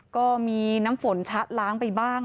ก็มีน้ำฝนชะล้างไปบ้าง